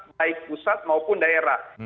baik pusat maupun daerah